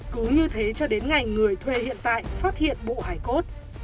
cứ như thế cho đến ngày người thuê hiện tại phát hiện bộ hài cốt